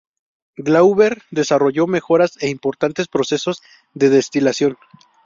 Glauber desarrolló mejoras en importantes procesos de destilación.